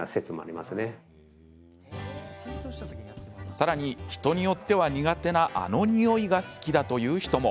さらに、人によっては苦手なあの匂いが好きだという人も。